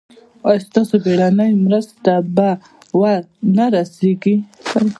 ایا ستاسو بیړنۍ مرسته به ور نه رسیږي؟